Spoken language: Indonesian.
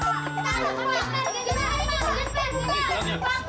pak ini juga pak